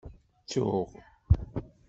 Ttuɣ.